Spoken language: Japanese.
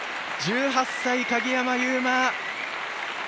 １８歳、鍵山優真。